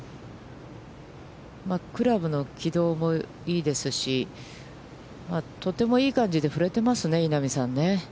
クラブの軌道もいいですし、とてもいい感じで振れてますね、稲見さんね。